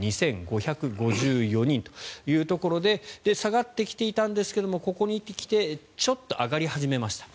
３万２５５４人というところで下がってきていたんですがここに来てちょっと上がり始めました。